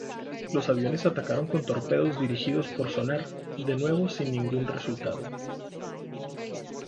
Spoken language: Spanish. Los aviones atacaron con torpedos dirigidos por sonar, de nuevo sin ningún resultado.